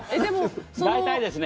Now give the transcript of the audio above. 大体ですね